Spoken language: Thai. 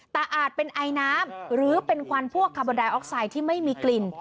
แต่อาจเป็นไอน้ำหรือเป็นควันพวกคาร์บอนไดออกไซด์ที่ไม่มีกลิ่น